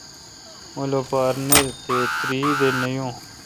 مہ لوپار نہ تہ تیردہ نہ یون۔